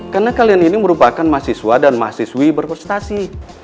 karena kalian ini merupakan mahasiswa dan mahasiswi berprestasi